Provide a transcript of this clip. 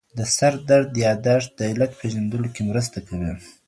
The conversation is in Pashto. د سردرد یادښت د علت پېژندلو کې مرسته کوي.